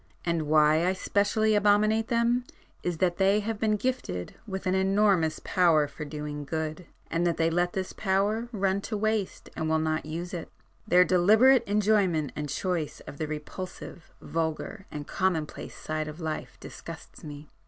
And why I specially abominate them is, that they have been gifted with an enormous power for doing good, and that they let this power run to waste and will not use it. Their deliberate enjoyment and choice of the repulsive, vulgar and common place side of life disgusts me.